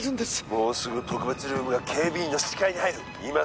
もうすぐ特別ルームが警備員の視界に入る。